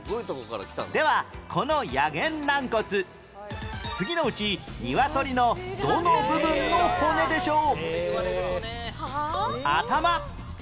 ではこのやげん軟骨次のうちにわとりのどの部分の骨でしょう？